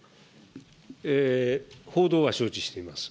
報道は承知しております。